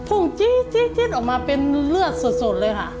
จี๊ดออกมาเป็นเลือดสุดเลยค่ะ